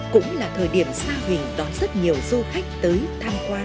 cũng là thời điểm sa huỳnh đón rất nhiều du khách tới tham quan